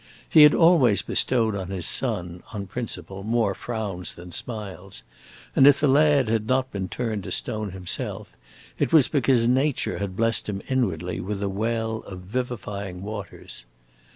He had always bestowed on his son, on principle, more frowns than smiles, and if the lad had not been turned to stone himself, it was because nature had blessed him, inwardly, with a well of vivifying waters.